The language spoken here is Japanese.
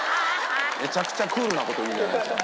めちゃくちゃクールな事言うじゃないですか。